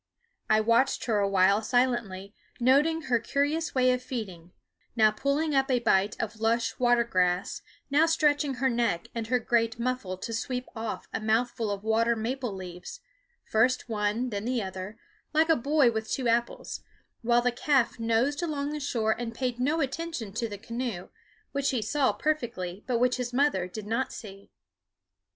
I watched her awhile silently, noting her curious way of feeding, now pulling up a bite of lush water grass, now stretching her neck and her great muffle to sweep off a mouthful of water maple leaves, first one then the other, like a boy with two apples; while the calf nosed along the shore and paid no attention to the canoe, which he saw perfectly but which his mother did not see.